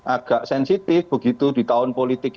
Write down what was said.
agak sensitif begitu di tahun politik